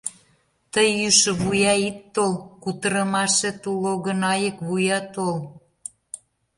Тый йӱшӧ вуя ит тол, кутырымашет уло гын, айык вуя тол.